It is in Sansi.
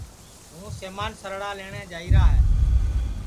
ہوں سمان سَرڑا لئٹؔے جائیرا ہے